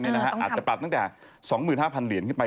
อาจจะปรับตั้งแต่๒๕๐๐เหรียญขึ้นไป